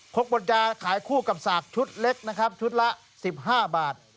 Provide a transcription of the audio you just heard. ครกบดยาขายคู่กับสากชุดเล็กชุดละ๑๕บาท